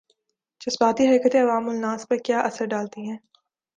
جذباتی حرکتیں عوام الناس پر کیا اثرڈالتی ہیں